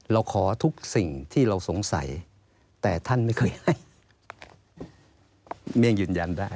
เราขอทุกสิ่งที่เราสงสัยแต่ท่านไม่เคยให้เมี่ยงยืนยันได้